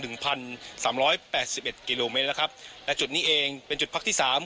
พันสามร้อยแปดสิบเอ็ดกิโลเมตรแล้วครับและจุดนี้เองเป็นจุดพักที่สาม